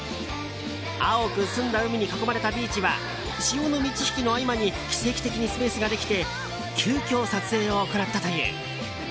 青く澄んだ海に囲まれたビーチは潮の満ち引きの合間に奇跡的にスペースができて急きょ、撮影を行ったという。